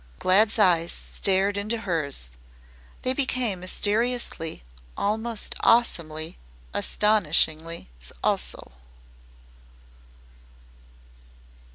Glad's eyes stared into hers, they became mysteriously, almost awesomely, astonishing also.